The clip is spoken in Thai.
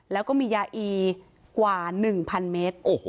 แล้วก็มียาอีกว่า๑๐๐เมตร